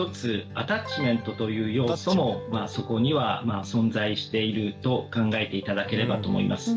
アタッチメントという要素もまあそこには存在していると考えて頂ければと思います。